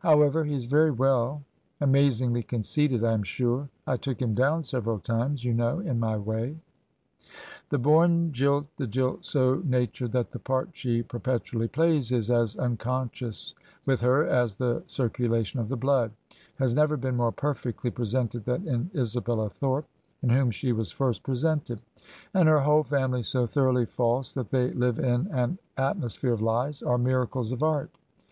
However, he is very well. Amazingly conceited, I am sure. I took him down, several times, you know, in my way.' " The bom jilt, the jilt so natured that the part she per petually plays is as unconscious with her as the circu lation of the blood, has never been more perfectly pre sented than in Isabella Thorp, in whom she was first presented; and her whole family, so thoroughly false that they live in an atmosphere of lies, are miracles of art.